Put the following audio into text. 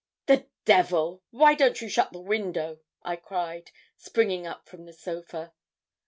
"'The devil! Why don't you shut the window!' I cried, springing up from the sofa.